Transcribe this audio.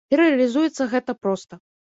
І рэалізуецца гэта проста.